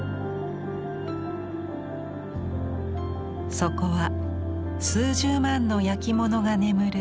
そこは数十万の焼き物が眠る